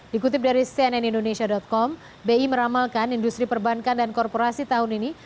dikutip dari cnn indonesia com bi meramalkan industri perbankan dan korporasi tahun ini